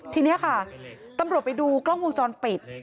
ทีนี้ค่ะตำรวจไปดูกล้องวงจรปิด